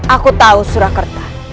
aku tahu surakarta